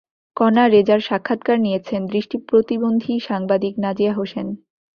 কণা রেজার সাক্ষাৎকার নিয়েছেন দৃষ্টিপ্রতিবন্ধী সাংবাদিক নাজিয়া হোসেন।